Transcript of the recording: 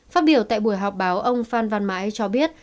phát biểu tại buổi họp báo ông phan văn mãi cho biết